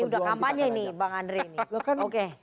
ini sudah kampanye ini bang andre